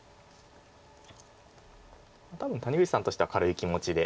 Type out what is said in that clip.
多分谷口さんとしては軽い気持ちで。